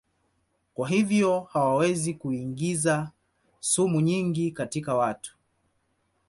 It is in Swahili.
Kwa hivyo hawawezi kuingiza sumu nyingi katika watu.